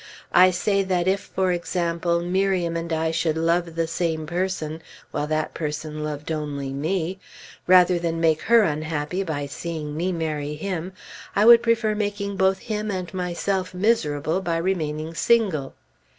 I say that if, for example, Miriam and I should love the same person, while that person loved only me, rather than make her unhappy by seeing me marry him, I would prefer making both him and myself miserable, by remaining single.